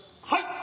はい。